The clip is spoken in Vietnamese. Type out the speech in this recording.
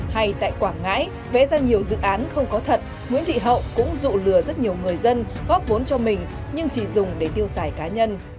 hay tại quảng ngãi vẽ ra nhiều dự án không có thật nguyễn thị hậu cũng dụ lừa rất nhiều người dân góp vốn cho mình nhưng chỉ dùng để tiêu xài cá nhân